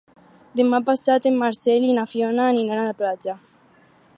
Demà passat en Marcel i na Fiona aniran a la platja.